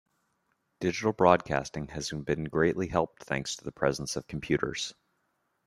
Digital broadcasting has been helped greatly thanks to the presence of computers.